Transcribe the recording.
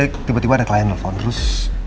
tidak tadi tiba tiba ada klien telepon terus